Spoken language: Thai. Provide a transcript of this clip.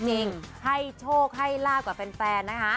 โชคจริงให้โชคให้รากกว่าแฟนนะฮะ